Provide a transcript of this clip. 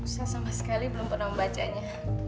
saya sama sekali belum pernah membacanya